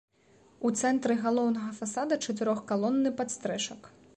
У цэнтры галоўнага фасада чатырох-калонны падстрэшак.